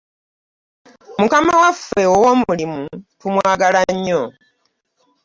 Mukama waffe owo mulimu tumwagalanyo.